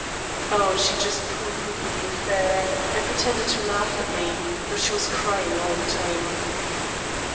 "Oh, she just pooh poohed the affair, and pretended to laugh at me, though she was crying all the time."